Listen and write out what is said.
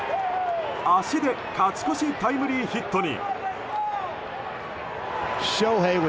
足で勝ち越しタイムリーヒットに。